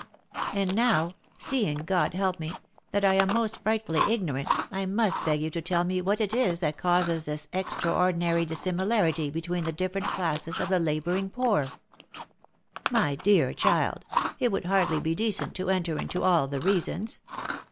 And now, seeing, God help me ! that I am most frightfully ignorant, I must beg you to tell me what it is that causes this extraordinary dissimilarity between the different classes of the labouring poor V " My dear child, it would hardly be decent to enter into all the reasons.